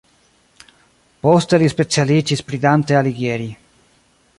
Poste li specialiĝis pri Dante Alighieri.